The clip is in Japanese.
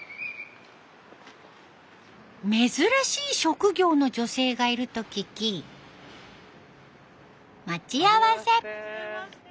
珍しい職業の女性がいると聞き待ち合わせ。